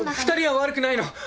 ２人は悪くないの！